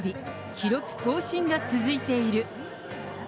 記録更新が続いている。